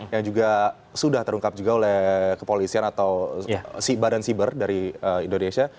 yang juga sudah terungkap juga oleh kepolisian atau si badan siber dari indonesia